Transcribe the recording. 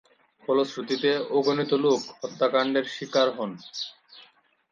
ফলশ্রুতিতে অগণিত লোক হত্যাকাণ্ডের শিকার হন।